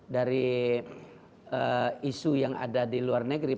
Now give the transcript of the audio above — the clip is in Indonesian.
dari isu yang ada di luar negeri